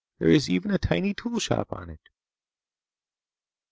There is even a tiny tool shop on it!"